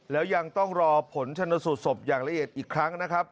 แล้วยังต้องรอผลชนสูตรศพอย่างละเอียดอีกครั้งนะครับ